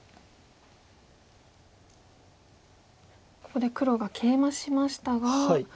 ここで黒がケイマしましたが。